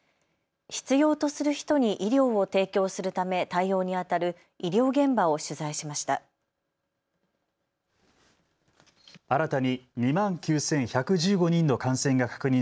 必要とする人に医療を提供するため対応にあたる医療現場を取材しました。